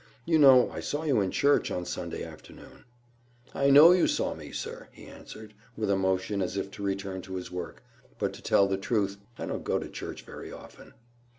You know I saw you in church on Sunday afternoon." "I know you saw me, sir," he answered, with a motion as if to return to his work; "but, to tell the truth, I don't go to church very often."